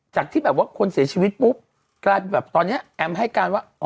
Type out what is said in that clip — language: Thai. จากที่คนเสียชีวิตปุ๊บกลายแอมให้การว่า